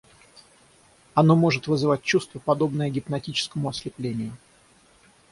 Оно может вызвать чувство, подобное гипнотическому ослеплению.